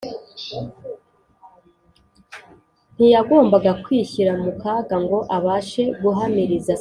. Ntiyagombaga kwishyira mu kaga ngo abashe guhamiriza Satani.